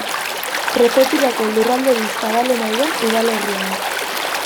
Prefeturako lurralderik zabalena duen udalerria da.